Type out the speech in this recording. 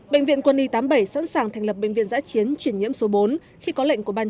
bệnh viện quân y tám mươi bảy sẵn sàng thành lập bệnh viện giã chiến chuyển nhiễm số bốn khi có lệnh của ban